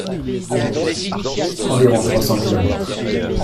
Environ trois cents kilomètres.